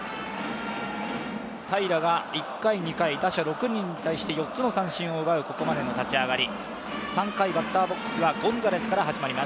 平良が、１回、２回、他者６人に対して、４つの三振を奪う、ここまでの立ち上がり。